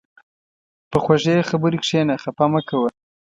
په خوږې خبرې کښېنه، خفه مه کوه.